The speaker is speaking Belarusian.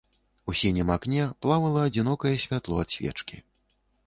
У сінім акне плавала адзінокае святло ад свечкі.